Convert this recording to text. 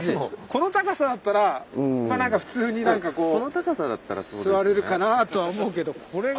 この高さだったらまあ普通に何かこう座れるかなとは思うけどこれが。